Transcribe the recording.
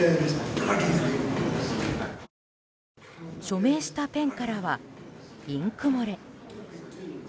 署名したペンからはインク漏れ。